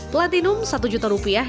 platinum satu juta rupiah